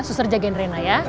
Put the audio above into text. suster jagain rena ya